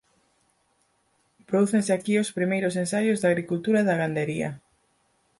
Prodúcense aquí os primeiros ensaios da agricultura e da gandería.